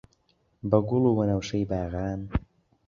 بە گوڵ و وەنەوشەی باغان